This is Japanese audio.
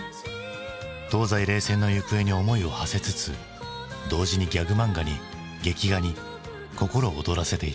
東西冷戦の行方に思いをはせつつ同時にギャグ漫画に劇画に心を躍らせていた。